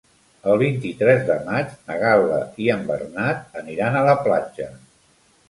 El vint-i-tres de maig na Gal·la i en Bernat aniran a la platja.